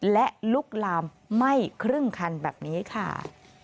และลุกลามไหม้ครึ่งคันแบบนี้ค่ะ